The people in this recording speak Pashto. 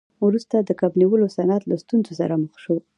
وروسته د کب نیولو صنعت له ستونزو سره مخ شو.